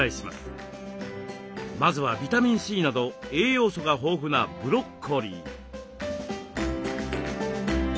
まずはビタミンＣなど栄養素が豊富なブロッコリー。